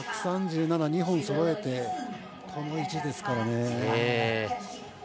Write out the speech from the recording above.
１３７を２本そろえてこの位置ですからね。